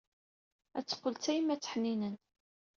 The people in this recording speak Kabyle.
Ad teqqel d tayemmat ḥninen.